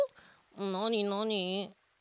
なになに？